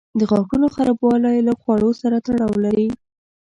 د غاښونو خرابوالی له خواړو سره تړاو لري.